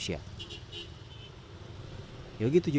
sisa diri kita